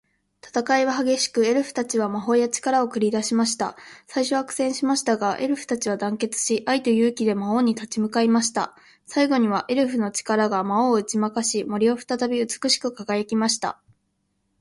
戦いは激しく、エルフたちは魔法や力を繰り出しました。最初は苦戦しましたが、エルフたちは団結し、愛と勇気で魔王に立ち向かいました。最後には、エルフの力が魔王を打ち負かし、森は再び美しく輝きました。